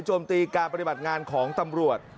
โจมตีการปฏิบัติงานของตำรวจ